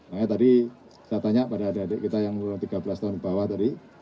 makanya tadi saya tanya pada adik adik kita yang umur tiga belas tahun ke bawah tadi